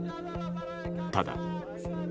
ただ。